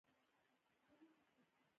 محمدرسول او محمد مې ولیدل.